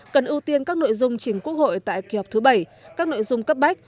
cần ưu tiên các nội dung chính quốc hội tại kỳ họp thứ bảy các nội dung cấp bách